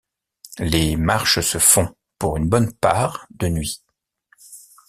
Les marches se font, pour une bonne part, de nuit.